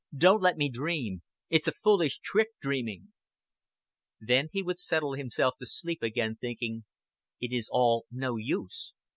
Don't let me dream. It's a fullish trick dreaming." Then he would settle himself to sleep again, thinking, "It is all no use.